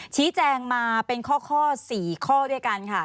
ชี้แจงมาเป็นข้อ๔ข้อด้วยกันค่ะ